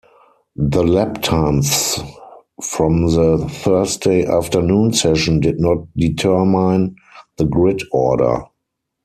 The lap times from the Thursday afternoon session did not determine the grid order.